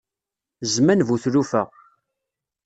Zzman bu tlufa.